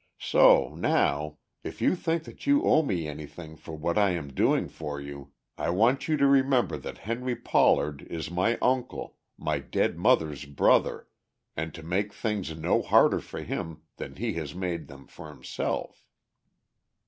So now, if you think that you owe me anything for what I am doing for you, I want you to remember that Henry Pollard is my uncle, my dead mother's brother, and to make things no harder for him than he has made them for himself."